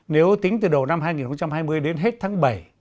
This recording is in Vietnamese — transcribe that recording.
nếu tính từ đầu năm hai nghìn hai mươi đến hết tháng bảy